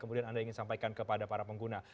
kemudian anda ingin sampaikan kepada para pengguna